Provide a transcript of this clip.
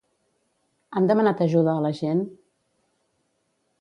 Han demanat ajuda a la gent?